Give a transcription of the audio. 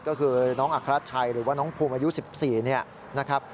ก็คือน้องอัครราชชัยหรือว่าน้องภูมิอายุ๑๔เนี่ยนะครับ